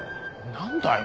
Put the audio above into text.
何だよ？